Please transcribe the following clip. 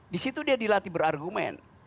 di situ dia dilatih berargumen